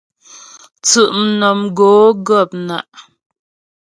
Tsʉ'mnɔmgǒ gɔ̂pnǎ'.